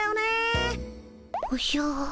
おじゃ？